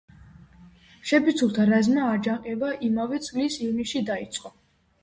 შეფიცულთა რაზმმა აჯანყება იმავე წლის ივნისში დაიწყო.